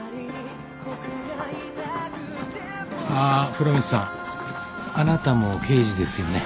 あっ風呂光さんあなたも刑事ですよね？